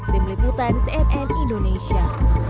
tim liputan cnn indonesia